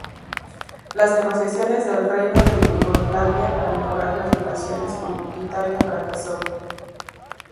Les negociaciones del Reino de Yugoslavia para mejorar las relaciones con Italia fracasó.